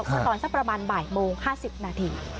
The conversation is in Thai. ตอนสักประมาณบ่ายโมง๕๐นาที